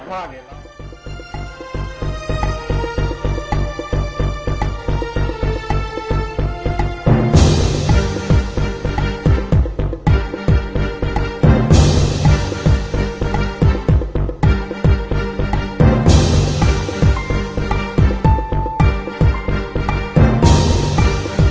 อ่าาอ่าอ่า่าอ่าอ่า